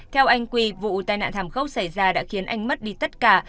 theo anh quy vụ tai nạn thảm khốc xảy ra đã khiến anh mất đi tất cả